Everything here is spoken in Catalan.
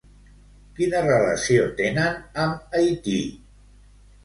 Quina relació tenen amb Haití?